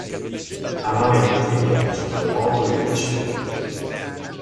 Amava inoltre i viaggi, le moto e le biciclette.